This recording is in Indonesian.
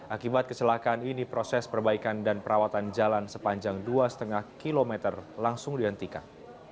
akibat kecelakaan ini proses perbaikan dan perawatan jalan sepanjang dua lima km langsung dihentikan